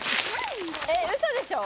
えっウソでしょ？